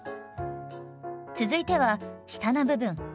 続いては下の部分。